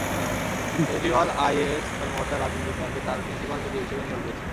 Kejriwal IAS কর্মকর্তা রাজেন্দ্র কুমারকে তাঁর প্রিন্সিপাল সচিব হিসেবে নিয়োগ দিয়েছেন।